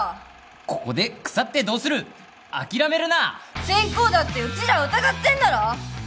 ここで腐ってどうする諦めるなセンコーだってうちらを疑ってんだろ？